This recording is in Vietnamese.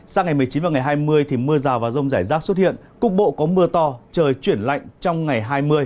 sang ngày một mươi chín và ngày hai mươi thì mưa rào và rông rải rác xuất hiện cục bộ có mưa to trời chuyển lạnh trong ngày hai mươi